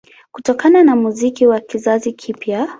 Kutokana na muziki wa kizazi kipya